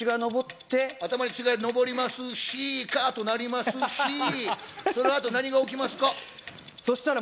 頭に血が上りますし、カァっとなりますし、その後、何が起きますか？